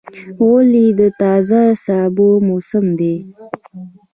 غویی د تازه سابو موسم دی.